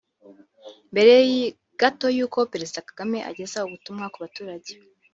Mbere gato y’uko Perezida Kagame ageza ubutumwa ku baturage